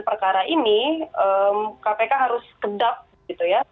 perkara ini kpk harus kedap gitu ya